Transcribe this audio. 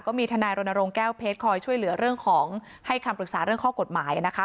ก็มีทนายรณรงค์แก้วเพชรคอยช่วยเหลือเรื่องของให้คำปรึกษาเรื่องข้อกฎหมายนะคะ